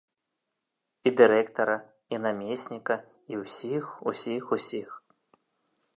І дырэктара, і намесніка, і ўсіх, усіх, усіх!